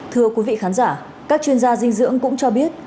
thưa quý vị khán giả các chuyên gia dinh dưỡng cũng cho biết